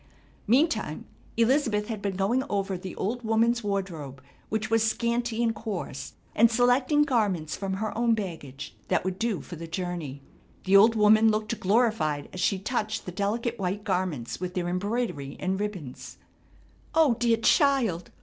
Meantime Elizabeth had been going over the old woman's wardrobe which was scanty and coarse, and selecting garments from her own baggage that would do for the journey. The old woman looked glorified as she touched the delicate white garments with their embroidery and ribbons: "Oh, dear child!